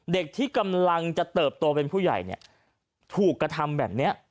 เด็กที่กำลังจะเติบโตเป็นผู้ใหญ่เนี่ยถูกกระทำแบบนี้